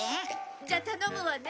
じゃあ頼むわね。